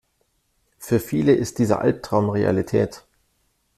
Für viele ist dieser Albtraum Realität.